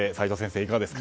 いかがですか？